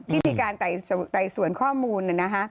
ที่มีการแต่ส่วนข้อมูล